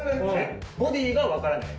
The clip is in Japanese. ボディーがわからない？